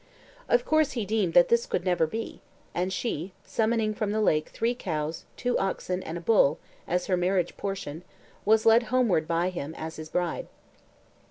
Of course he deemed that this could never be; and she, summoning from the lake three cows, two oxen, and a bull, as her marriage portion, was led homeward by him as his bride.